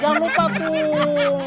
jangan lupa tuh